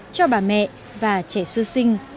cho bà mẹ và trẻ sư sinh